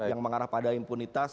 yang mengarah pada impunitas